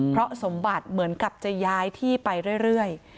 เพราะสมบัติเหมือนกับจะย้ายที่ไปเรื่อย